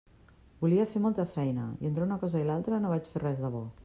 Volia fer molta feina i entre una cosa i l'altra no vaig fer res de bo.